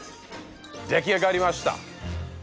出来上がりました！